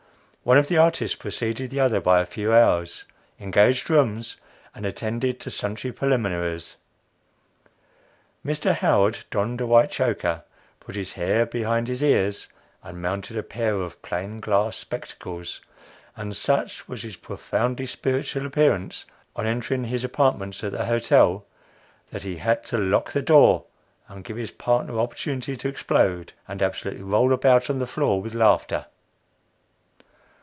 One of the artists preceded the other by a few hours, engaged rooms, and attended to sundry preliminaries. "Mr. Howard" donned a white choker, put his hair behind his ears, and mounted a pair of plain glass spectacles; and such was his profoundly spiritual appearance on entering his apartments at the hotel, that he had to lock the door and give his partner opportunity to explode, and absolutely roll about on the floor with laughter.